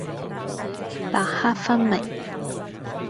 白黑分明